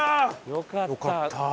よかったー！